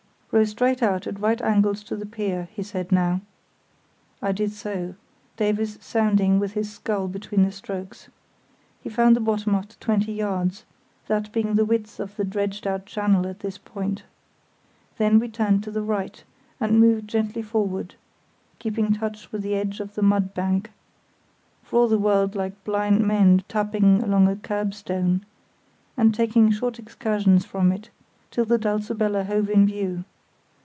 "Row straight out at right angles to the pier," he said now. I did so, Davies sounding with his scull between the strokes. He found the bottom after twenty yards, that being the width of the dredged out channel at this point. Then we turned to the right, and moved gently forward, keeping touch with the edge of the mud bank (for all the world like blind men tapping along a kerbstone) and taking short excursions from it, till the Dulcibella hove in view.